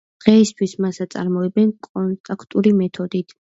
დღეისთვის მას აწარმოებენ კონტაქტური მეთოდით.